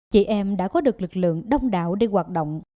chị em đã có được lực lượng đông đảo để hoạt động